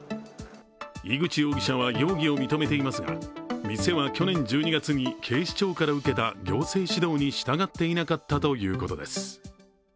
井口容疑者は、容疑を認めていますが、店は去年１２月に警視庁から受けた行政指導に従っていなかったということです。